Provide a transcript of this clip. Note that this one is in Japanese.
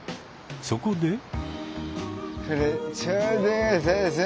そこで。